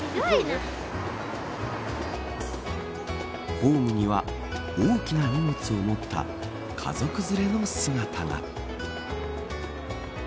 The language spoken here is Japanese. ホームには大きな荷物を持った家族連れの姿が。